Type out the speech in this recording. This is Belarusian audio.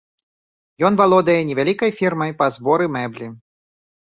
Ён валодае невялікай фірмай па зборы мэблі.